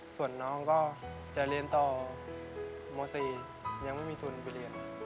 ส่วนน้องก็จะเรียนต่อม๔ยังไม่มีทุนไปเรียน